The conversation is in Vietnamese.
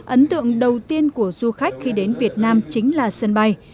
ấn tượng đầu tiên của du khách khi đến việt nam chính là sân bay